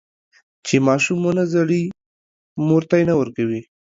چې ماشوم ونه زړي، مور تی نه ورکوي.